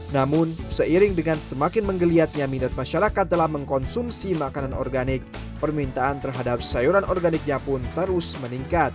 namun seiring dengan semakin menggeliatnya minat masyarakat dalam mengkonsumsi makanan organik permintaan terhadap sayuran organiknya pun terus meningkat